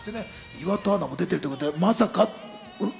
岩田アナも出てるってことで、まさか？